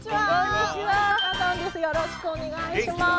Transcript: よろしくお願いします！